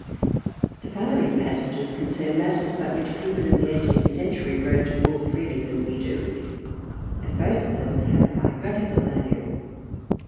The following passages concern matters about which people in the Eighteenth Century wrote more freely than we do, and both of them have a biographical value.